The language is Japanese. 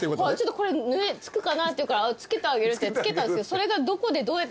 「これ付くかな？」って言うから付けてあげるって付けたんですけどそれが。